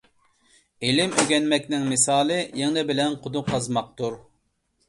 ئىلىم ئۆگەنمەكنىڭ مىسالى يىڭنە بىلەن قۇدۇق قازماقتۇر.